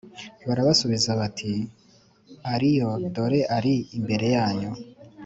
Barabasubiza bati Ari yo dore ari imbere yanyu